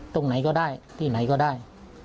ตรงไหนก็ได้ที่ไหนก็ได้